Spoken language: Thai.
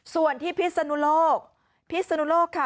ส่วนที่พิษสนุลกพิษสนุลกค่ะ